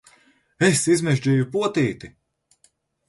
Es izmežģīju potīti!